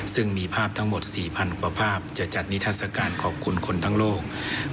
ซึ่งมีภาพทั้งหมด๔๐๐๐กว่าภาพจะจัดนิทัศกาลขอบคุณคนทั้งโลก